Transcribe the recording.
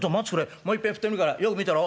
もういっぺん振ってみるからよく見てろ。